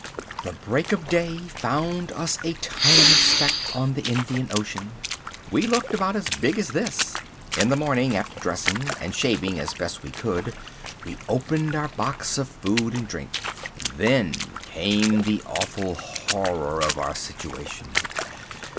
The break of day found us a tiny speck on the Indian Ocean. We looked about as big as this (.). In the morning, after dressing, and shaving as best we could, we opened our box of food and drink. Then came the awful horror of our situation.